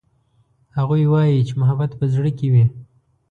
هغوی وایي چې محبت په زړه کې وي